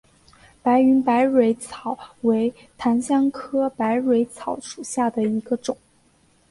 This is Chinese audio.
白云百蕊草为檀香科百蕊草属下的一个种。